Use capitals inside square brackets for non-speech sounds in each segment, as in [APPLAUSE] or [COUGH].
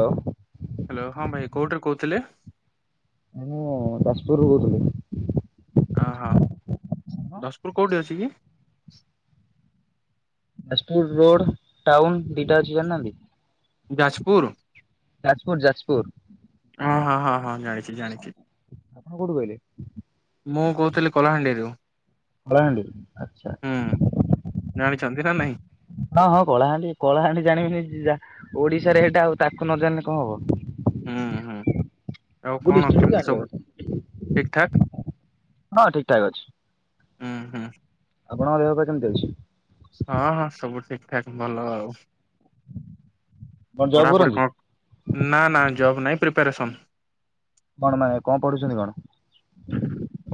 ଆଉ ହ୍ୟାଲୋ ହଁ ଭାଇ କୋଉଠାରୁ କହୁଥିଲେ? ମୁଁ ଯାଜପୁରରୁୁ କହୁଥିଲି। ଅହୋ ଯାଜପୁର କୋଉଠି ଅଛି କି? ଯାଜପୁର ରୋଡ଼ ଟାଉନ୍ ଦିଟା ଅଛି ଜାଣିନାହାନ୍ତି? ଯାଜପୁର? ଯାଜପୁର ଯାଜପୁର। ହଁ ହଁ ହଁ ହଁ ଜାଣିଛି ଜାଣିଚି। କୋଉଠୁ କହିଲେ? ମୁଁ କହୁଥିଲି କଳାହାଣ୍ଡିରୁ। କଳାହାଣ୍ଡି ଆଚ୍ଛା। ହୁଁ ଜାଣିଛନ୍ତି ନା ନାଇଁ ହଁ ହଁ କଳାହାଣ୍ଡି କଳାହାଣ୍ଡି ଜାଣିବିନି ଯିଏ ଯା ଓଡ଼ିଶାରେ ହେଟା ଆଉ ତାକୁ ନ ଜାଣିଲେ କଣ ହବ। ହୁଁ ହୁଁ ଆଉ ସବୁ କଣ ଡିଷ୍ଟ୍ରିକ୍ଟ କେମିତି ଜାଣିବା ସବୁ କଥା। ଠିକ୍ ଠାକ୍? ହଁ ଠିକ୍ ଠାକ୍ ଅଛି। ହୁଁ ହୁଁ। ଆପଣଙ୍କ ଦେହ ପା କେମିତି ଅଛି? ହଁ ହଁ ସବୁ ଠିକ୍ ଠାକ୍ ଭଲ ଆଉ। କଣ ଜବ୍ କରନ୍ତି? ନା ନା ଜବ୍ ନାହିଁ ପ୍ରିପାରେସନ୍ କଣ ମାନେ କଣ ପଢ଼ୁଛନ୍ତି କଣ?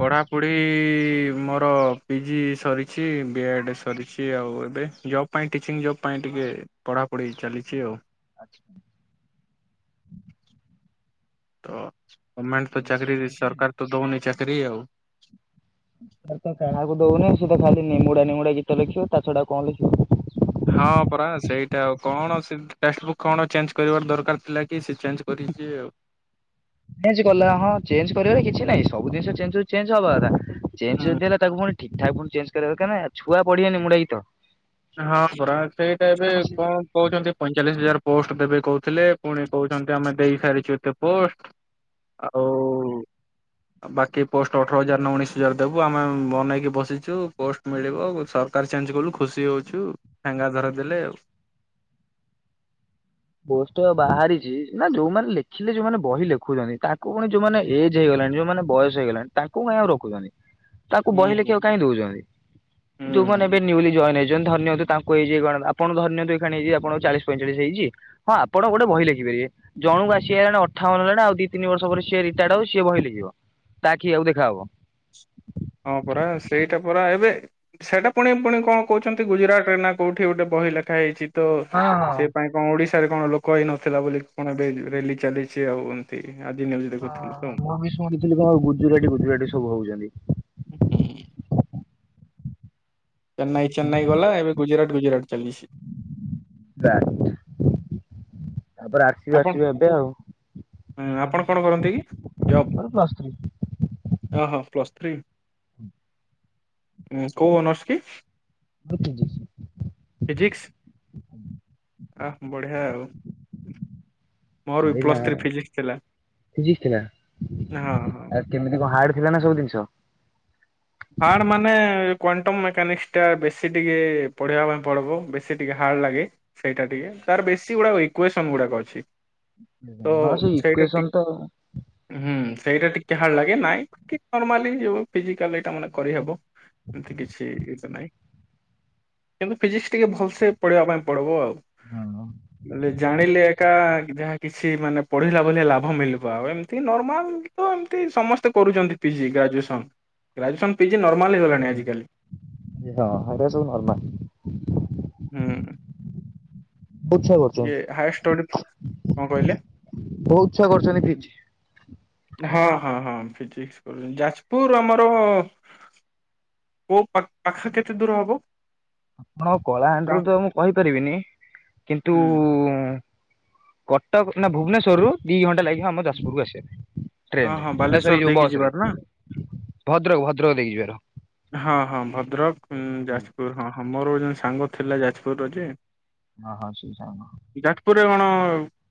ପଢ଼ାପଢ଼ି ମୋର ପିଜି ସରିଛି ବି ଏଡ଼୍ ସରିଛି ଆଉ ଏବେ ଜବ୍। ପାଇଁ ଟିଚିଂ ଜବ୍ ପାଇଁ ଟିକେ ପଢ଼ାପଢ଼ି ଚାଲିଛି ଆଉ। ତ ଗଭଣମେଣ୍ଟ ତ ଆଉ ଆପଣ ଚାକିରୀ ଖାଇସାରିଲେଣି? ସରକାର ତ ଦଉନି ଚାକିରରି ଆଉ। ର ତ କାହା ଦଉନି ତ ଖାଲି ନିମୁଡ଼ା ନିମୁଡ଼ା ଗୀତ ଲେଖିବ ତା ଛଡା କଣ ଲେଖିବ କି। ହଁ ପରା ସେଇଟା ଆଉ କଣ ସେ ଟେକ୍ସଟ ବୁକ୍ କଣ ଚେଞ୍ଜ କରିବାର ଦରକାର ଥିଲା କି ସେ ଚେଞ୍ଜ କରିଛି ଆଉ। ଚେଞ୍ଜ କଲା ହଁ ଚେଞ୍ଜ କରିବାରେ କିଛି ନାଇଁ ସବୁ ଜିନିସ ଚେଞ୍ଜ ହଉଚି ଚେଞ୍ଜ ହବା କଥା ଚଞ୍ଜ ହୁଁ ଯଦି ହେଲା ତାକୁ ପୁଣି ଠିକ ଠାକ ପୁଣି ଚେଞ୍ଜ କରିବା ଦରକାର ନା ନାଇଁ ଛୁଆ ପଢିବେ ନିମୁଡ଼ା ଗୀତ। ହଁ ପରା ସେଇଟା ଏବେ କଣ କହୁଛନ୍ତି ପଇଁଚାଳିଶ ହଜାର ପୋଷ୍ଟ ଦେବେ କହୁଥିଲେ ପୁଣି କହୁଛନ୍ତି ଆମେ ଦେଇ ସାରିଛୁ ଏତେ ପୋଷ୍ଟ। ଆ ହଉ। ଆଉ ବାକି ପୋଷ୍ଟ ଅଠର ହଜାର ନା ଉଣଶ ହଜାର ଦେବୁ ଆମେ ବନେଇକି ବସିଛୁ ପୋଷ୍ଟ ମିଳିବ ସରକାର ଚେଞ୍ଜ କଲୁ ଖୁସି ହଉଛୁ ଠେଙ୍ଗା ଧରେଇ ଦେଲେ ଆଉ। ପୋଷ୍ଟ ବାହାରିଛି ନା ଯୋଉମାନେ ଲେଖିଲେ ଯୋଉମାନେ ବହି ଲେଖୁଛନ୍ତି ତାଙ୍କୁ ପୁଣି ଯୋଉମାନେ ଏଜ୍ ହେଇଗଲାଣି ଯୋଉମାନେ ବୟସ ହେଇଗଲାଣି ତାଙ୍କୁ କାଇଁ ଆଉ ରଖୁଛନ୍ତି। ତାକୁ ବହି ହୁଁ ଲେଖିିବାକୁ କାହିଁ ଦଉଛନ୍ତି। ଯୋଉ ମାନେ ଏବେ ନ୍ୟୁଲି ଜଏନ ହେଇଛନ୍ତି ଧରିନିଅନ୍ତୁ ତାଙ୍କୁ ଏଇଯାଇ କଣ ଆପଣ ଧରିନିଅନ୍ତୁ ଏକ୍ଷଣି ହେଇଛି ଆପଣଙ୍କୁ ଚାଳିଶ ପଁଚାଳିଶ ହେଇଛି ହଁ ଆପଣ ଗୋଟେ ହୁଁ। ବହି ଲେଖିାପାରିବେ। ଜଣକୁ ଆସିକିହେଲାଣି ଅଠାବନ ହେଲାଣି ଆଉ ଦି ତିନି ବର୍ଷ ପରେ ସିଏ ରିଟାୟାର୍ଡ ହଉ ସିଏ ବହି ଲେଖିବ। ତା ଆଖି କି ଆଉ ଦେଖାହବ। ହଁ ପରା ସେଇଟା ପରା ଏବେ ସେଇଟା ପୁଣି ପୁଣି କଣ କହୁଛନ୍ତି ଗୁଜୁରାଟ ରେ ନା କୋଉଠି ଗୋଟେ ବହି ଲେଖା ହେଇଛି। ତ ହଁ ହଁ। ସେ ପାଇଁ କଣ ଓଡିଶାରେ କଣ ଲୋକ ହେଇ ନଥିଲା ବୋଲି କଣ ଏବେ ରଲି ଚାଲିଛି ଆଉ। ଏ ଆଜିି ନ୍ୟୁଜ ଦେଖୁଥିଲି ତ ଓ ହୁଁ ମୁଁ ବି ଶୁଣିଥିଲି କଣ ଗୁଜୁରାଟି ଗୁଜୁରାଟି ସବୁ ହଉଛନ୍ତି। ହୁଁ ଚେନ୍ନାଇ, ଚେନ୍ନାଇ ଗଲା ଏବେ। ଗୁଜୁରଟ, ଗୁଜରାଟ ଚାଲିଛି। ତ୍ୟାଟ ତାପରେ ଆ ଆପଣ ଆପଣ କଣ କରନ୍ତି କି? ଜବ୍। ମୋର ପ୍ଲସ୍ ଥ୍ରୀ ଓହୋ ପ୍ଲସ୍ ଥ୍ରୀ କୋଉ ଅନର୍ସ କି? ପତିଦୁସ [UNINTELLIGIBLE] ଫିଜିକ୍ସ ଆ ବଢିଆ ଆଉ। ମୋର ବି ଏଇନା ପ୍ଲସ୍ ଥ୍ରୀ ଫିଜିକ୍ସ ଥିଲା ପିଜିକ୍ସି ନା ହଁ ହଁ ଆ। କେମିତି କଣ ହାର୍ଡ ଥିଲା ନା ସବୁ ଜିନିଷ। ହାର୍ଡ଼ ମାନେ କ୍ଵାଣ୍ଟମ୍ ମେକାନିକ୍ସଟା ବେଶୀ ଟିକେ ପଢ଼ିବା ପାଇଁ ପଡ଼ିବ ବେଶୀ ଟିକେ ହାର୍ଡ଼ ଲାଗେ। ସେଇଟା ଟିକେ ତାର ବେସିକ ଗୁଡ଼ାକ ଇକ୍ଵାସନ୍ ଗୁଡାକ ଅଛି। ତ ହଁ ସେଇ ସେଇଟା ଇକ୍ୱେସନ ଟିକେ ତ ହୁଁ ସେଇଟା ଟିକେ ହାର୍ଡ ଲାଗେ ନାଇଁ ନର୍ମାଲି ଫିଜିକାଲି ଏଇଟା ମାନେ କରିହବ। ଏମିତି କିଛି ଜିନଷ ନାହିଁ। କିନ୍ତୁ ଫିଜିକ୍ସ ଟିକେ ଭଲସେ ପଢିଇବା ପାଇଁ ପଡବ ଆଉ। ଆଉ କଣ? ବଲେ ଜାଣିଲେ ଏକା ଯାହା କିଛି ମାନେ ପଢିଲା ଭଳିଆ ଲାଭ ମିଳିବ ଆଉ ଏମିତି ନର୍ମାଲ ହଁ ଏମିତି ସମସ୍ତେ କରୁଛନ୍ତି PG graduation. Graduation PG normal ହେଲାଣି ଆଜିକାଲି। ହଁ ହେରା ସବୁ ନର୍ମାଲ ହୁଁ। ବହୁତ ଛୁଆ ଇଏ କରୁଛନ୍ତି ହାୟରଷ୍ଟଡି କଣ କହିଲେ? ବହୁତ ଛୁଆ କରୁଛନ୍ତି ପିଜି। ହଁ ହଁ ହଁ ଫିଜିକ୍ସି ପଢ଼ୁଛନ୍ତି ଯାଜପୁର ଆମ ଟ କୋଉ ପାଖ ପାଖ କେତେ ଦୂର ହବ? ଆମର କଳାହାଣ୍ଡିରୁ ତା- ତ ମୁଁ କହିପାରିବିନି କିନ୍ତୁ ହୁଁ କଟକ ନା ଭୁବନେଶ୍ୱରରୁ ଦିଇ ଘଣ୍ଟା ଲାଗିବ ଆମ ଯାଜପୁରକୁ ଆସିବା ପାଇଁ। ହଁ ଟ୍ରେନ ହଁ ରେ ନା ବାଲେଶ୍ଵର ସରି ଯୋଉ ଦେଇକି ବସ ରେ ଯିବାର ନା ଭଦ୍ରକ ଭଦ୍ରକ ଦେଇକି ଯିବାର। ହଁ ହଁ ଭଦ୍ରକ ଉଁ ଯାଜପୁର ହଁ ହଁ ମୋର ଜଣେ ସାଙ୍ଗ ଥିଲା ଯାଜପୁର ର ଯେ ହଁ ହଁ ସେଇ ସାଙ୍ଗ। ଯାଜପୁରରେ କଣ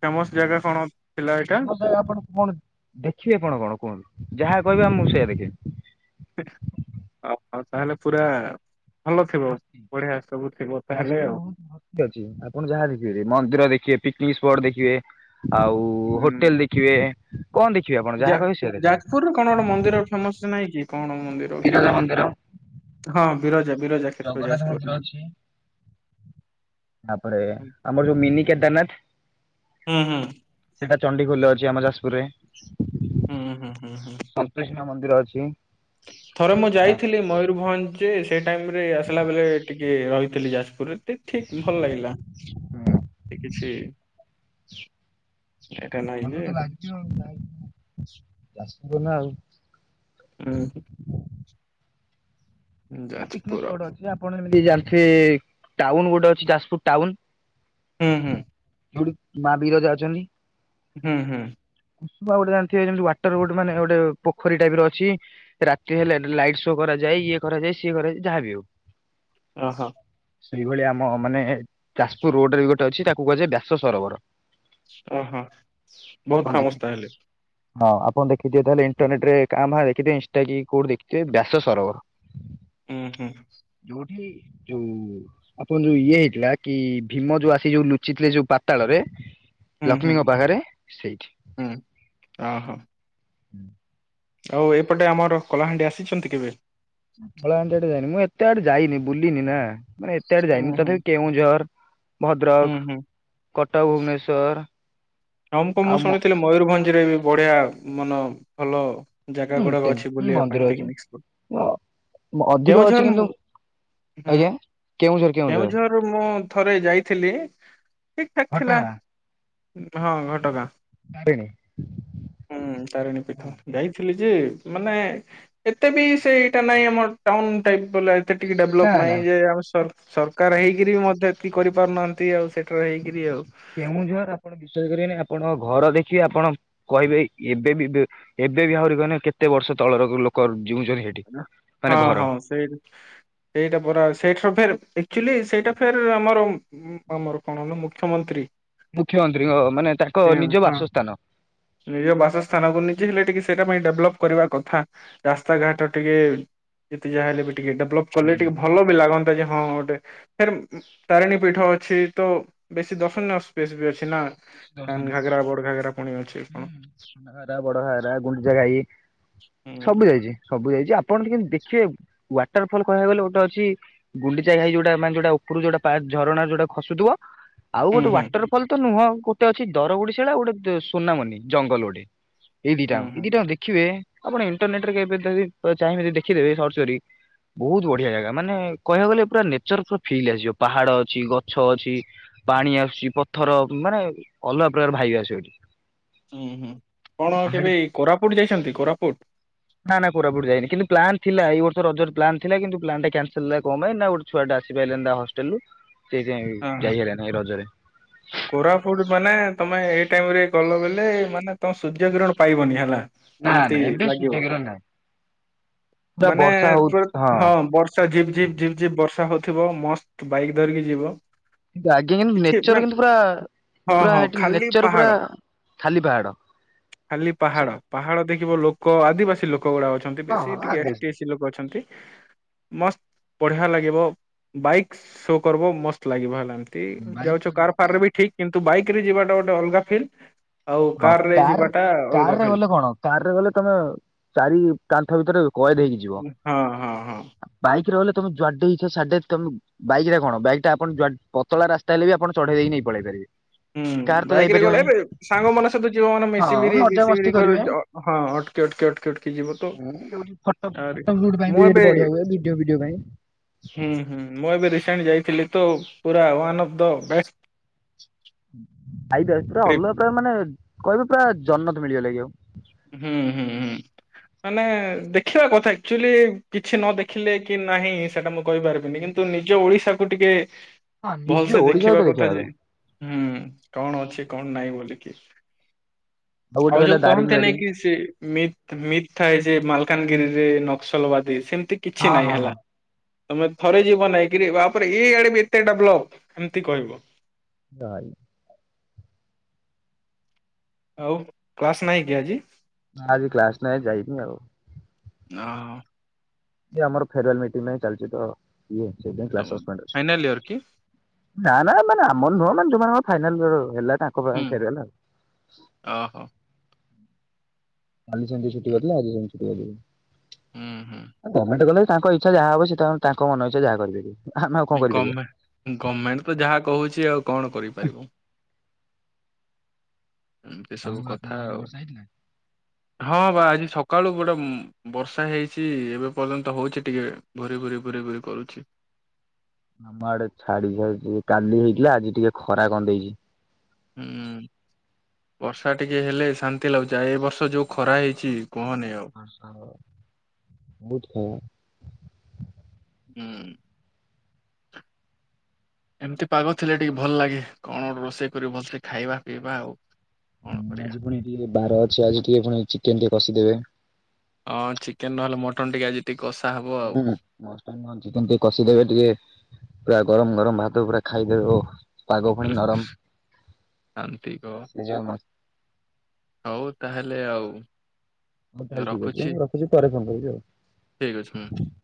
ଫେମସ୍ ଜାଗା କଣ? ଥିଲା ଏଇଟା ଫେମସ୍ ଜାଗା ଆପଣ କଣ ଦେଖିବେ କଣ କଣ କୁହନ୍ତୁ ଯାହା କହିବେ ମୁଁ ସେଇଆ ଦେଖେଇବେ। ହେ ଆପଣ ତାହେଲେ ପୁରା ଭଲ ଥିବ ଭର୍ତ୍ତି ବଢିଆ ସବୁ ଥିବ ତାହେଲେ ଯାଜପୁରରେ ଆଉ। ବହୁତ ଭର୍ତ୍ତି ଠିକ୍ ଅଛି ଆପଣ ଯାହା ଦେଖିପାରିବେ। ମନ୍ଦିର ଦେଖିବେ ପିକିନିକ୍ ସ୍ଫଟ୍ ଦେଖିବେ ଆଉ ହୋଟେଲ ହୁଁ ଦେଖି ଖିବେ। କଣ ଦେଖିବେ ଆପଣ? ଯା ଯାଜପୁରରେ କଣ ଗୋଟେ କଣ ମନ୍ଦିର ଫେମସ ନାହିଁ କି। କଣ ମନ୍ଦିର କି? ବିରଜା ମନ୍ଦିର। ହଁ ବିରଜା ବିରଜା କ୍ଷେତ୍ର ଜଗନ୍ନାଥ ଯାଜପୁର ମନ୍ଦିର ମେ। ତା ପରେ ଆମର ଯୋଉ ମିିନି କେଦାରନାଥ। ହୁଁ ହୁଁ ହୁଁ ସେଇଟା ଚଣ୍ଡିଖୋଲରେ ଅଛି ଆମ ଯାଜପୁରରେ। ହୁଁ ହୁଁ ହୁଁ ହୁଁ। ସନ୍ତୋଷି ମା ମନ୍ଦିର ଅଛି। ଥରେ ମୁଁ ଯାଇଥିଲି ମୟୂରଭଞ୍ଜ ଯେ ସେ ଟାଇମ ରେ ଆସିଲା ବେଳେ ଟିକେ ରହିଥିଲି ଯାଜପୁରରେ ଟେ ଠିକ ଭଲ ଲାଗିଲା ଏ କିଛି ଏଟା ନା ଭଲ ତ ଲାଗିବ ଆଉ ଯାଜପୁର ନାଉ। ଉଁ ହୁଁ। ହୁଁ, ଆ ପିକିନିକ୍ ଯାଜପୁର ସ୍ଫଟ୍ ଅଛି। ଆପଣ ଯେମିତି ଜାଣିଥିବେ ଟାଉନ୍ ଗୋଟେ ଅଛି ଯାଜପୁର ଟାଉନ୍? ହୁଁ ହୁଁ। ଯୋଉଠି ମା ବିରଜା ଅଛନ୍ତି। ହୁଁ ହୁଁ। କୁସୁମା ଗୋଟେ ଜାଣିଥିବେ ଯେମିତି ୱାଟର ଗୋଟ ମାନେ ଗୋଟେ ପୋଖରୀ ଟାଇପ ର ଅଛି। ରାତି ହେଲେ ଲାଇଟ୍ ଶୋ କରାଯାଏ। ଇଏ କରାଯାଏ ସିଏ କରାଯାଏ ଯାହାବି ହଉ। ଓହୋ। ସେଇ ଭଳିଆ ଆମ ମାନେ ଯାଜପୁର ରୋଡରେ ଗୋଟେ ଅଛି ତାକୁ କୁହାଯାଏ ବ୍ୟାସ ସରୋବର। ଓହୋ ଆପଣ ବହୁତ ଫେମସ ତା ଦେଖିଥିବେ ହେଲେ? ହଁ ଆପଣ ଦେଖିଥିବେ ତାହେଲେ ଇଣ୍ଟର୍ନେଟରେ କାଆଁ ଭାଆଁ ଦେଖିଥିବେ ଇନ୍ଟା କି କୋଉଠି ଦେଖଥିବେ ବ୍ୟାସ ସରବର। ଉଁ ହୁଁ। ଯୋଉଠି ଯୋଉ ଆପଣ ଯୋଉ ଇଏ ହେଇଥିଲା କି ଭୀମ ଯୋଉ ଆସି ଯୋଉ ଲୁଚିଥିଲେ ଯୋଉ ପାତାଳରେ ହୁଁ ହୁଁ। ଲକ୍ଷ୍ମୀଙ୍କ ପାଖରେ ସେଇଠି। ହୁଁ ଓହୋ। ଆଉ ଏପଟେ ଆମର କଳାହାଣ୍ଡି ଆସିଚନ୍ତି କେବେ? କଳାହାଣ୍ଡି ଆଡେ ଯାଇନି ମୁଁ ଏତେ ଆଡେ ଯାଇନି ବୁଲିନି ନା ମାନେ ଏତେ ଆଡେ ହୁଁ ଯାଇନି। ହୁଁ ତଥାପି କେଉଁଝର ହୁଁ ଭଦ୍ରକ, ହୁଁ। କଟକ, ଭୁବନେଶ୍ଵର ଆଉ କଁ ମୁଁ ଶୁଣିଥିଲି ମୟୁରଭଞ୍ଜ ରେ ବି ବଢିଆ ମାନ ଭଲ ଜାଗା ହୁଁ ଗୁଡାକ ତେମ ଅଛି ବୁଲିବା ମନ୍ଦିର ପାଇଁ ଅଛି ପିକନିକ ସ୍ପ ଅଧିକ ଅଛି କିନ୍ତୁ ଆଜ୍ଞା। କେଉଁଝର କେଉଁଝର କେଉଁଝରରୁ ମୁଁ ଥରେ ଯାଇଥିଲି ଠିକ ଠାକ୍ ଥିଲା। ଘଟଗାଁ ହଁ ଘଟଗାଁ। ତାରିଣୀ। ହୁଁ ତାରିଣୀ ପୀଠ ଯାଇଥିଲି ଯେ ମାନେ ଏତେ ବି ସେ ଏଇଟା ନାଇଁ ଆମ ଟାଉନ ଟାଇପ ବଲା ଏତେ ଟିକେ ନା ଡେଭଲପ୍ ନା ନାଇଁ ଯେ ସର ସରକାର ହେଇକରି ବି ମଧ୍ୟ ଏତିକି କରିପାରୁନାହାନ୍ତି ଆଉ ସେଠାରେ ହେଇକରି ଆଉ। କେଉଁଝର ଆପଣ ବିଶ୍ବାସ କରିବେନି ଆପଣଙ୍କ ଘର ଦେଖିବେ ଆପଣ କହିବେ ଏଇ ଏବେ ବି ଏବେ ବି ଆହୁରି କହିଲେ କେତେ ବର୍ଷ ତଳର ଲୋକ ଜିଉଛନ୍ତି ହେଠ ହଁ ହଁ ସେଇଟ। ସେଇଟା ପରା ସେଇଠ ସ ପର ସେଠି ଦେଖିଲି ସେଇଟା ଫେର ଆମର- ଆମର କଣ ହେଲା ମୁଖ୍ୟମନ୍ତ୍ରୀ? ମୁଖ୍ୟମନ୍ତ୍ରୀଙ୍କ ମାନେ ତାଙ୍କ ସେ ନିଜ ହଁ ବାସସ୍ଥାନ। ନିଜ ବାସସ୍ଥାନ ବୋଲିକୀ ହେଲେ ଟିକେ ସେଇଟା ପାଇଁ ଡେଭଲପ କରିବା କଥା ରାସ୍ତାଘାଟ। ଟିକେ ଯେତେ ଯାହା ହେଲେ ବି ଟିକେ ଡେଭଲପ କଲେ ଟିକେ ଭଲ ବି ଲାଗନ୍ତା ଯେ ହଁ ଗୋଟେ ଫେରେ ତାରିଣୀ ପୀଠ ଅଛି ତ ବେଶୀ ଦର୍ଶନୀୟ ସ୍ପେସ୍ ବି ଅଛି ନା! ଦର୍ଶନୀ ହୁଁ ସାନ ଘାଗରା ବଡ ଘାଗରା ପୁଣି ଅଛି କଣ! ସାନ ଘାଗେରା ବଡ ଘାଗେରା ଗୁଣ୍ଡିଚା ଘାଇ। ହୁଁ ସବୁ ହୁଁ। ଯାଇଛି ସବୁ ଯାଇଛି ଆପଣ କେମିତି ଦେଖିବେ ୱାଟର ଫଲ କହିବାକୁ ଗଲେ ଗୋଟେ ଅଛି ଗୁଣ୍ଡିଚା ଘାଇ ଯୋଉଟା ମାନେ ଯୋଉଟା ଉପରୁ ଯୋଉଟା ପାର୍କ ଝରଣା ଯୋଉଟା ଖସୁଥିବ ଆଉ ହୁଁ ଗୋଟେ ହୁଁ ୱାଟର ଫଲ ତ ନୁହଁ ଗୋଟେ ଅଛି ଦର ଗୁଡିଶିଳା ଗୋଟେ ସୁନାମନି ଜଙ୍ଗଲ ଗୋଟେ। ଏଇ ହୁଁ ଦିଟାଙ୍କ ଏଇ ହୁଁ ଦିଟା ଦେଖିବେ ଆପଣ ଇଣ୍ଟରନେଟରେ କେବେ ଥରେ ଚାହିଁ ବେ ଯଦି ଦେଖିଦେବେ ସର୍ଚ୍ଚ କରି ବହୁତ ବଢିଆ ଜାଗା ମାନେ କହିବାକୁ ଗଲେ ପୁରା ନେଚର ପୁରା ଫିଲ୍ ଆସିଯିବ ପାହାଡ ଅଛି ଗଛ ଅଛି। ପାଣି ଆସୁଛି ପଥର ମାନେ ଅଲଗା ପ୍ରକାର ଭାଇବ ଆସିବ ସେଠି। ହୁଁ ହୁଁ କଣ ଆଉ କେବେ କୋରାପୁଟ ଯାଇଛନ୍ତି କୋରାପୁଟ? ନା ନା କୋରାପୁଟ ଯାଇନି କିନ୍ତୁ ପ୍ଲାନ ଥିଲା ଏଇ ବର୍ଷ ରଜ ରେ ପ୍ଲାନ ଥିଲା କିନ୍ତୁ ପ୍ଲାନ୍ ଟା କ୍ୟାନସଲ ହେଲା କଣ ପାଇଁନା ଗୋଟେ ଛୁଆ ଟା ଆସିପାରିଲାନି ତା ହଷ୍ଟେଲ ରୁ ସେଇଥିପାଇଁ ହଁ ହଁ। ଯାଇ ହେଲାନି ଏଇ ରଜରେ। କୋରାପୁଟ ମାନେ ତମେ ଏଇ ଟାଇମ ରେ ଗଲ ବଲେ ମାନେ ତମେ ସୂର୍ଯ୍ୟ କିିରଣ ପାଇବନି ହେଲା। ନା ଏମିତି ନା ଏବେ ଲାଗିବ ସୁଯୋଗର ନାହିଁ। ପୁରା ମାନେ ବର୍ଷା ହଉ ତ ହଁ ବର୍ଷ ର୍ଷା ଝିପ ଝିପ ଝିପ ଝିପ ବର୍ଷା ହଉଥିବ ମସ୍ତ ବାଇକ ଧରିକି ଯିବ। ଲାଗିନ କିଛି ନେଚର ମାନେ କିନ୍ତୁ ପୁରା ହଁ ପୁରା ହଁ ହେଠି ଖାଲି ନେଚର ପୁରା ପାହାଡ। ଖାଲି ପାହାଡ। ଖାଲି ପାହାଡ ପାହାଡ ଦେଖିବ ଲୋକ ଆଦିବାସୀ ଲୋକ ଗୁଡାକ ଅଛନ୍ତି ହଁ ବେଶୀ ହଁ ଟିକେ ଏସ୍ ଆଗେ ଟି ଏସ୍ ସି ଲୋକ ଅଛନ୍ତି। ମସ୍ତ ବଢିଆ ଲାଗିବ ବାଇକ୍ ଶୋ କରିବ ମସ୍ତ ଲାଗିବ ହେଲା। ଏ ବାଇକ୍ ଯାଉଛ କାର କରିବେ କି ଫାର ରେ ଆଉ। ବି ଠିକ କିନ୍ତୁ ବାଇକ ରେ ଯିବାଟା ଗୋଟେ ଅଲଗା ଫିଲ୍ ଆଉ ହଁ କାର ରେ କାର୍ ଯିବାଟା ଅଲଗା କାରରେ ଫିଲ୍। ଗଲେ କଣ କାରରେ ଗଲେ ତମେ ଚାରି କାନ୍ଥ ଭିତରେ କଏଦ ହେଇକି ଯିବ। ହଁ ହଁ ହଁ ବାଇକ ରେ ଗଲେ ତମେ ଜୁାଆଡେ ଇଚ୍ଛା ସିଆଡେ ତମେ ବାଇକ୍ ଟା କଣ ବାଇକ୍ ଟା ଆପଣ ଜୁଆ ପତଳା ରାସ୍ତା ହେଲେ ବି ଆପଣ ଚଢେଇ ଦେଇକି ନେଇ ପଳେଇ ପାରିବେ। କାର୍ ହୁଁ ତ ବାଇକ ରେ ଗଲେ ଯାଇପାରିବନି। ହେଇପାରିବ ସାଙ୍ଗ ମାନସ ସବୁ ଯିବ ମାନେ ହଁ ମିଶିରି ମଜାମସ୍ତି ମିଶିବରି ହଁ କରିବେ ଅଟକି ଅଟକି ଅଟକି ଅଟକି ଯିବ ତ [UNINTELLIGIBLE] ଫଟୋ ଆରେ ଫୋଟୋ ସୁଟପାଇଁ ମୁଁ ବି ଏବେ ସେଠି ବଢିଆ ହୁଏ ଭିଡିଓ ଫିଡିଓ ପାଇଁ ହୁଁ ହୁଁ ମୁଁ ଏବେ ରିସେଣ୍ଟ ଯାଇଥିଲି ତ ପୁରା ୱାନ ଅଫ୍ ଦ ବେଷ୍ଟ ଆଇଦ ଆ ପୁରା ଟ୍ରିପ୍। ଅଲଗା ମାନେ କହିବେ ପୁରା ଜନତ ମିଳିଗ ଲାକି ଆଉ। ହୁଁ ହୁଁ ହୁଁ। ମାନେ ଦେଖିବା କଥା ଆକ୍ଚୁଆଲି କିଛି ନ ଦେଖିଲେ କି ନାହିଁ ସେଟା ମୁଁ କହିପାରିବିନି କିନ୍ ତୁ ନିଜ ଓଡିଶାକୁୁ ଟିକେ ହଁ ନି ନିଜେ ଭଲସେ ଓଡିଶା ଦେଖିବା ଭିତରେ କଥା ଯେ। ଆଉ ହୁଁ କଣ ଅଛି କଣ ନାଇଁ ବୋଲିକି ଗୋଟେ ଆଉ ଯୋଉ ରହିଲା କହନ୍ତି ଦାରିଙ୍ଗବାଡି। ନେଇ ସି ମିତ୍ ମିଥ ଥାଏ ଯେ ମାଲକାନଗିରି ରେ ନକ୍ସଲବାଦୀ ସେମିତି କିଛି ହଁ ନାଇଁ ହଁ ହେଲା। ହଁ। ତମେ ଥରେ ଯିବ ନାଇଁକିରି ବାପରେ ଏ ଇଆଡେ ଏତେ ଡେଭଲପ୍ ଏମିତି କହିବ। ଦାଇ। ଆଉ କ୍ଲାସ ନାହିଁ କି ଆଜି? ନା ଆଜି କ୍ଲାସ ନାଇଁ ଯାଇନି ଆଉ। ଓଁ। ଆମର ଫେରୱାଲ ମିଟିଂ ପାଇଁ ଚାଲିଛି ତ ଇଏ ସେଇଥି ପାଇଁ କ୍ଲାସ୍ ସସ୍ପେଣ୍ଡ ଫାଇନାଲ ଇୟର କି? ଅଛି। ନା ନା ମାନେ ଆମନ ନୁହ ମାନେ ଯୋଉ ମାନଙ୍କର ଫାଇନାଲ ହେଲା ତାଙ୍କ ପାଇଁ ଫେରୁଆଲ ଆଉ। ଅ ହୋ। କାଲି ସେମତୀ ଛୁଟି କରଥିଲେ ଆଜି ସେମତିି ଛୁଟୀ କର ଦେଇଛନ୍ତି, ହୁଁ ହୁଁ ଏ ଗମେଣ୍ଟ କଲେଜ୍ ତାଙ୍କ ଇଛା ଜାହା ହବ ସେ ତାଙ୍କ ତାଙ୍କ ମନ ଇଛା କରିପାରିବେ। ଆମେ ଆଉ କଣ କରିପାରିବା। ଗମେ ଗମେଣ୍ଟ ତ ଯାହା କହୁଛି ଆଉ କଣ କରିପାରିବୁ। ଏମିତି ଆଉ ସବୁ କଥା ଆପଣଙ୍କ ଆଡେ ଆଉ ବର୍ଷା ହେଇଥିଲା? ହଁ ବା ଆଜି ସକାଳୁ ଗୋଟେ ବର୍ଷା ହେଇଚି ଏବେ ପର୍ଯ୍ୟନ୍ତ ହଉଛି ଟିକେ ଭୁରି ଭୁରି ଭୁରି ଭୁରି କରୁଛି। ଆମ ଆଡେ ଛାଡିଛାଡିଛି କାଲି ହେଇଥିଲା ଆଜି ଟିକେ ଖରା କଣ ଦେଇଛି। ହୁଁ। ବର୍ଷା ଟିକେ ହେଲେ ଶାନ୍ତି ଲାଗୁଛି ଏ ବର୍ଷ ଯୋଉ ଖରା ହେଇଛି କୁହନି ଆଉ। ବହୁତ ଖ ହୁଁ। ଏମିତି ପାଗ ଥିଲେ ଟିକେ ଭଲ ଲାଗେ କଣ ଗୋଟେ ରୋଷେଇ କରିବ ଭଲ ଖାଇବା ପିଇବା ଆଉ। କଣ ହୁଁ କରିବା ଆଜି ପୁଣି ଟିକେ ବାର ଅଛି ଆଜି ଟିକେ ପୁଣି ଚିକେନ ଟିକେ କସିଦେବେ। ହଁ ଚିକେନ ନହେଲେ ମଟନ ଟିକେ ଆଜି ଟିକେ କଷା ହବ ଆଉ। ମଟନ ନନେ ଚିକେନ ଟିକେ କଷିଦେବେ ଟିକେ ପୁରା ଗରମ ଗରମ ଭାତ ପୁରା ଖାଇଦେବେ ଓ। ପାଗ ପୁଣି ନରମ, ଶାନ୍ତି କହ। [UNINTELLIGIBLE] ହଉ ତାହେଲେ ଆଉ। ହଉ ତାହେଲେ ଠିକ ଅଛି ରଖୁଛି ମୁଁ ରଖିଛି ପରେ ଫୋନ କରିବି ଠିକ୍ ଅଛି ମୁଁ। ଆଉ।